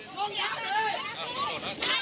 ตอนนี้